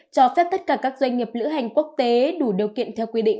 cho phép tất cả các doanh nghiệp lữ hành quốc tế đủ điều kiện theo quy định